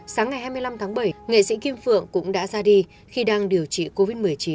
sáng ngày hai mươi năm tháng bảy nghệ sĩ kim phượng cũng đã ra đi khi đang điều trị covid một mươi chín